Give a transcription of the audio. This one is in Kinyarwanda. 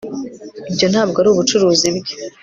ibyo ntabwo ari ubucuruzi bwe